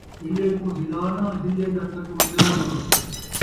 ہلے کوں ہلا ناں ، ہلّے دا ٹک ون٘ڄا ناں